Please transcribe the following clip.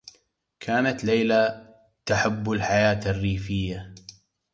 كانت ليلى تحبّ الحياة الرّيفيّة.